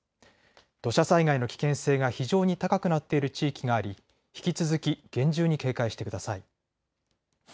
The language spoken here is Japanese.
土砂災害の危険性が非常に高くなっている地域があり引き続き厳重に警戒してください。